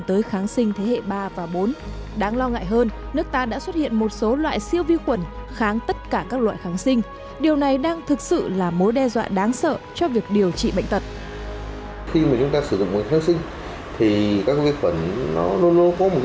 thì kháng sinh chiếm phần lớn khoảng ba mươi tổng trí thuốc